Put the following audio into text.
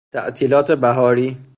تعطیلات بهاری